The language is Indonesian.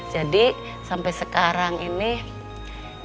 jadi sampai sekarang ini